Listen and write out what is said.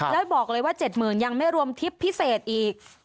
แล้วบอกเลยว่า๗๐๐๐ยังไม่รวมทิพย์พิเศษอีก